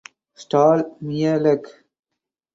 Stal Mielec